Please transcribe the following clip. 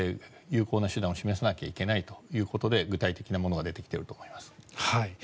有効な手段を示さないといけないということで具体的なものが出てきていると思います。